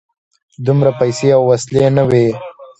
دومره پیسې او وسلې نه وې.